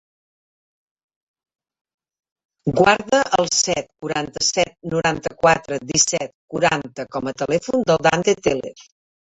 Guarda el set, quaranta-set, noranta-quatre, disset, quaranta com a telèfon del Dante Tellez.